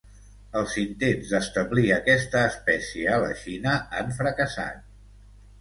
Els intents d'establir aquesta espècie a la Xina han fracassat.